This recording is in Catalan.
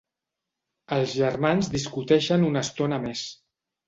Els germans discuteixen una estona més.